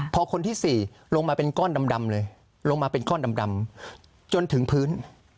พอคนที่๔ลงมาเป็นก้อนดำเลยลงมาเป็นก้อนดำจนถึงพื้น